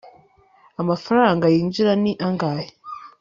amafaranga yinjira ni angahe